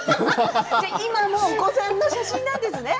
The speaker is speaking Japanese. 今もお子さんの写真なんですね。